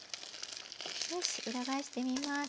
よし裏返してみます。